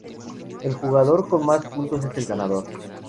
El jugador con más puntos es el ganador.